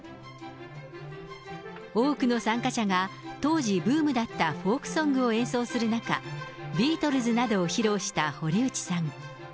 多くの参加者が当時ブームだったフォークソングを演奏する中、ビートルズなどを披露した堀内さん。